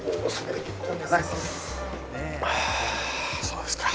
そうですか。